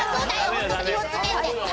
本当、気をつけて。